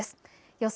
予想